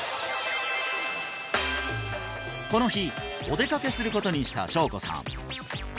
この日お出かけすることにした翔子さん